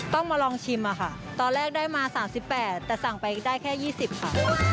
ต้องมาลองชิมอะค่ะตอนแรกได้มา๓๘แต่สั่งไปได้แค่๒๐ค่ะ